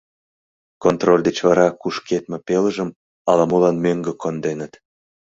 Контроль деч вара кушкедме пелыжым ала-молан мӧҥгӧ конденыт.